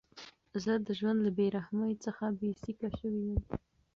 زه د ژوند له بېرحمۍ څخه بېسېکه شوی وم.